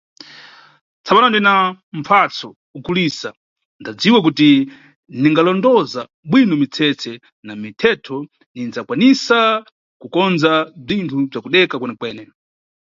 Tsapano ndina mpfatso ukulisa ndadziwa kuti ndikalondoza bwino mitsetse na mithetho ndinidzakwanisa kukonza bzinthu bzakudeka kwene-kwene.